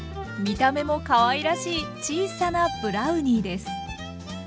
見た目もかわいらしい小さなブラウニーです。